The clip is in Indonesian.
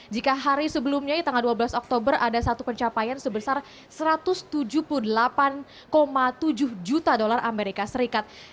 jika hari sebelumnya tanggal dua belas oktober ada satu pencapaian sebesar satu ratus tujuh puluh delapan tujuh juta dolar amerika serikat